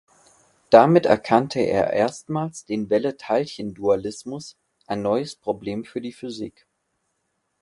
Damit erkannte er erstmals den Welle-Teilchen-Dualismus, ein neues Problem für die Physik.